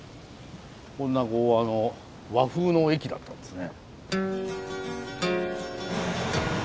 こんな和風の駅だったんですね。